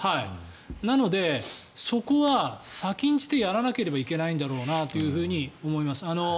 なので、そこは先んじてやらなければいけないんだろうと思います。